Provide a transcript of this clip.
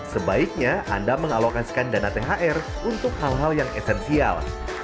sebaiknya anda mengalokasikan dana thr untuk hal hal yang esensial